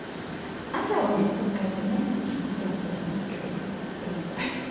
朝はお水取り換えてねお線香しますけどねそれ以外は。